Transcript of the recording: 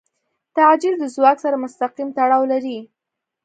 تعجیل د ځواک سره مستقیم تړاو لري.